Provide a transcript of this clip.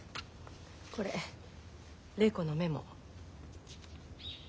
これ礼子のメモ。